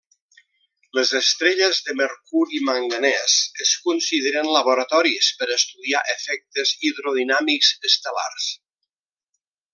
Les estrelles de mercuri-manganès es consideren laboratoris per estudiar efectes hidrodinàmics estel·lars.